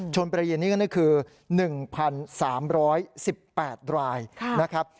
ประเรียนนี่ก็คือ๑๓๑๘รายนะครับ